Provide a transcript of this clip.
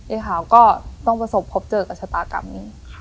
ขาวก็ต้องประสบพบเจอกับชะตากรรมนี้